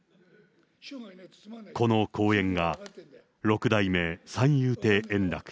この講演が六代目三遊亭円楽